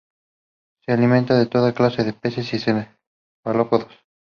Se alimentan de toda clase de peces y cefalópodos.